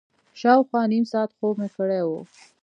شاوخوا نیم ساعت خوب مې کړی و.